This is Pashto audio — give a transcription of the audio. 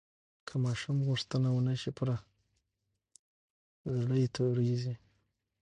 که ماشوم غوښتنه ونه شي پوره، زړه یې تورېږي.